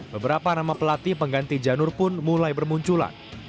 beberapa nama pelatih pengganti janur pun mulai bermunculan